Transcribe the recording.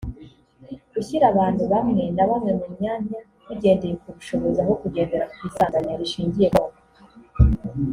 -gushyira abantu bamwe na bamwe mu myanya bigendeye ku bushobozi aho kugendera kw’isaranganya rishingiye ku moko